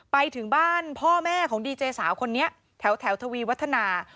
ไปถึงบ้านพ่อแม่ของดีเจสาวคนนี้แถวทวีวัฒนา